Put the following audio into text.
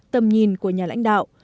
tầm nhìn của nhà lãnh đạo